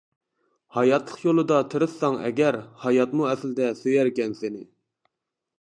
ھاياتلىق يولىدا تىرىشساڭ ئەگەر، ھاياتمۇ ئەسلىدە سۆيەركەن سېنى.